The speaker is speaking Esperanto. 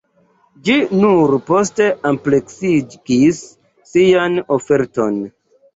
Ĝi nur poste ampleksigis sian oferton.